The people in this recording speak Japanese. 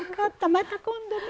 また今度ね。